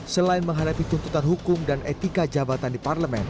selain menghadapi tuntutan hukum dan etika jabatan di parlemen